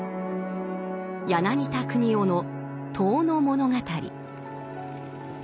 柳田国男の「遠野物語」。